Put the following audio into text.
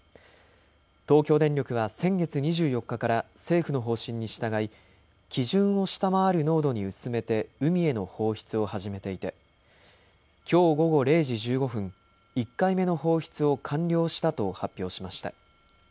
東京電力は先月２４日から政府の方針に従い基準を下回る濃度に薄めて海への放出を始めていてきょう午後０時１５分、１回目の放出を完了したと発表しました。